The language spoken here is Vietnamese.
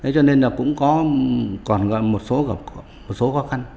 cho nên cũng còn gọi là một số khó khăn